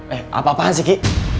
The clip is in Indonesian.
eh apa apaan sih ki